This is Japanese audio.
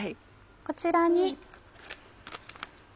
こちらに。